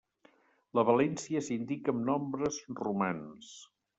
La valència s'indica amb nombres romans.